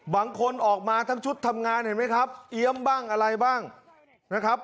บางคนออกมาทั้งชุดทำงานเห็นไหมครับเอี๊ยมบ้างอะไรบ้างนะครับ